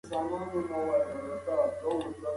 ثمر ګل وویل چې هره ونه یو ژوند لري.